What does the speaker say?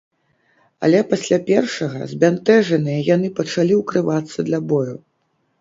Але пасля першага збянтэжаныя яны пачалі ўкрывацца для бою.